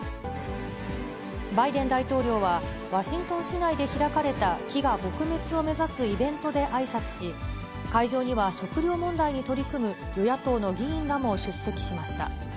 バイデン大統領は、ワシントン市内で開かれた、飢餓撲滅を目指すイベントであいさつし、会場には食料問題に取り組む与野党の議員らも出席しました。